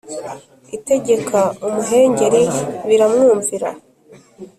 Itegeka umuhengeri biramwumvira